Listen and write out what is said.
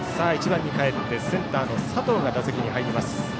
１番にかえってセンターの佐藤が打席に入ります。